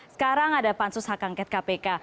sekarang ada pansus hak angket kpk